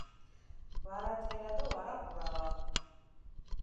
ვარა თელა დო ვარა ღურავა